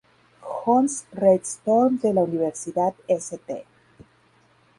John's Red Storm de la Universidad St.